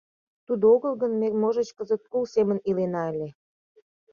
Тудо огыл гын, ме, можыч, кызыт кул семын илена ыле.